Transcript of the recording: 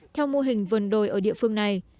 theo mô hình vườn đồi ở địa phương này